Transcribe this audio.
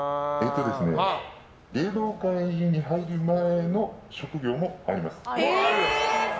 芸能界に入る前の職業もあります。